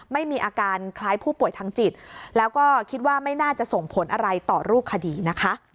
ไม่มีอาการคล้ายผู้ป่วยทางจิตแล้วก็คิดว่าไม่น่าจะส่งผลอะไรต่อรูปคดีนะคะ